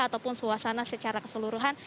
ataupun suasana secara keseluruhan